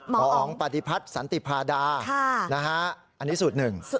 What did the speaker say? หมออ๋องปฏิพัฒน์สันติพาดาอันนี้สูตรหนึ่ง